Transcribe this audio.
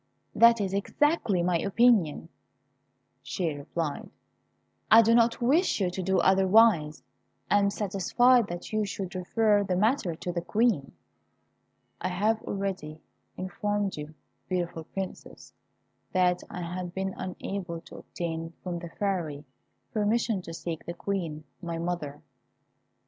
"That is exactly my opinion," she replied; "I do not wish you to do otherwise; I am satisfied that you should refer the matter to the Queen." I have already informed you, beautiful Princess, that I had been unable to obtain from the Fairy permission to seek the Queen, my mother.